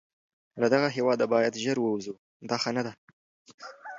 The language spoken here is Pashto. له دغه هیواده باید ژر ووزو، دا ښه نه ده.